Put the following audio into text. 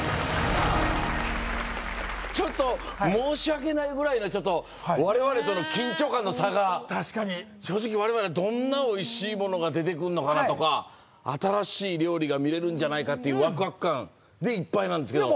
ちょっと申し訳ないぐらいの確かに正直我々どんなおいしいものが出てくんのかなとか新しい料理が見れるんじゃないかっていうワクワク感でいっぱいなんですけどいや